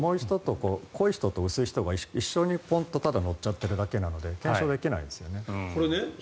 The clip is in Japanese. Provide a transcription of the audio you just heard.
濃い人と薄い人が一緒にポンと載っちゃってるだけなので検証できないですよね。